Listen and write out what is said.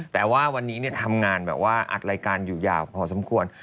แต่ว่าวันนี้ทำงานแบบว่าอัดรายการอยู่ยาวพอสมควร